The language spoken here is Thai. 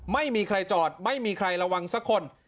ไม่มีใครจอดไม่มีใครระวังสักคน